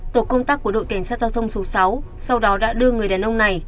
tổ công tác của đội cảnh sát giao thông số sáu sau đó đã đưa người đàn ông này